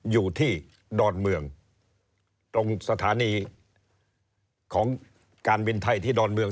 อยู่ที่ดอนเมืองตรงสถานีของการบินไทยที่ดอนเมือง